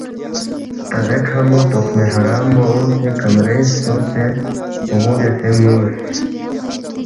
تا ایکھہ مو تُخمِ حرام مو اونگسے کمرِنگ سونگسے غو بیاسے نُ٘وس